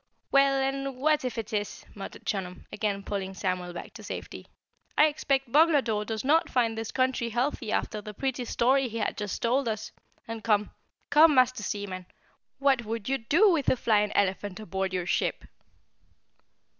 "Well, well, and what if it is?" muttered Chunum, again pulling Samuel back to safety. "I expect Boglodore does not find this country healthy after the pretty story he has just told us, and come, COME, Master Seaman, what would you do with a flying elephant aboard your ship?"